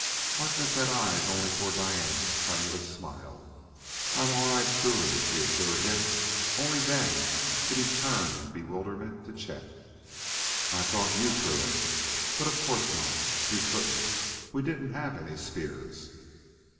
Harkness had eyes only for Diane's tremulous smile. "I am all right, truly," she assured him. Only then did he turn in bewilderment to Chet. "I thought you threw it! But of course not; you couldn't; we didn't have any spears."